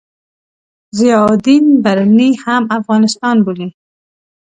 ضیاألدین برني هم افغانستان بولي.